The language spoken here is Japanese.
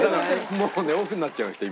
もうねオフになっちゃいました今。